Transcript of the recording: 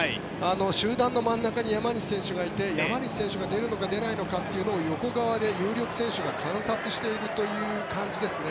集団の真ん中に山西選手がいて山西選手が出るのか出ないのかを横側で有力選手が観察している感じですね。